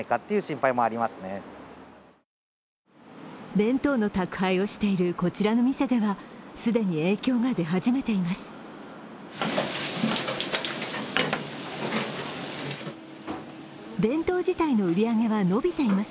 弁当の宅配をしているこちらの店では、既に影響が出始めています。